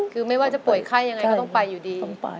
คือไม่ว่าจะป่วยไข้ยังไงก็ต้องไปอยู่ดี